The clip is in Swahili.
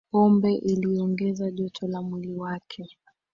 pombe iliongeza joto la mwili wake